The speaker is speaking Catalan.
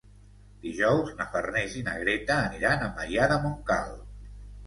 Dijous na Farners i na Greta aniran a Maià de Montcal.